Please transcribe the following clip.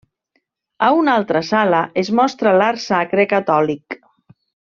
A una altra sala es mostra l'art sacre catòlic.